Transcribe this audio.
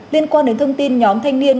liên quan đến thông tin nhóm thanh niên